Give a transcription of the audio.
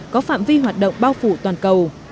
có phạm vi hoạt động bao phủ toàn cầu